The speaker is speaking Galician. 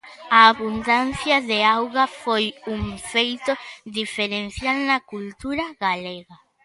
A abundancia de auga foi un feito diferencial na cultura galega.